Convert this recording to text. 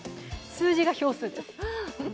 数字が票数です。